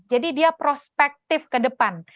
jadi dia prospektif ke depan